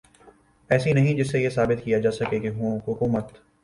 ایسی نہیں جس سے یہ ثابت کیا جا سکے کہ حکومت